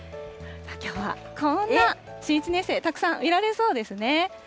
きょうはこんな新１年生、たくさん見られそうですね。